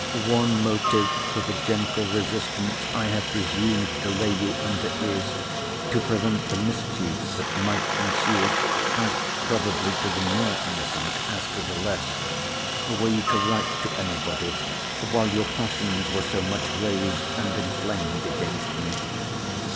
One motive for the gentle resistance I have presumed to lay you under is, to prevent the mischiefs that might ensue (as probably to the more innocent, as to the less) were you to write to any body while your passions were so much raised and inflamed against me.